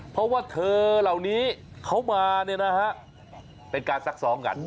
เพราะว่าเธอเหล่านี้เขามาเป็นการซักซ้อมกัน